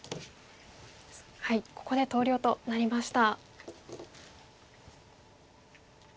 ここで投了となりました。